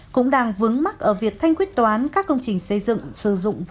cũng đang vứng mắc ở việc thanh quyết toán các công trình xây dựng sử dụng vốn ngân sách